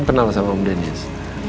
kenal sama om denis